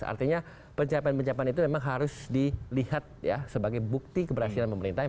artinya pencapaian pencapaian itu memang harus dilihat sebagai bukti keberhasilan pemerintah